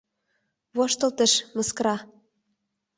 Воштылтыш, мыскара.